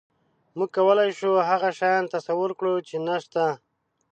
موږ کولی شو هغه شیان تصور کړو، چې نهشته.